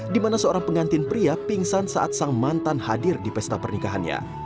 di mana seorang pengantin pria pingsan saat sang mantan hadir di pesta pernikahannya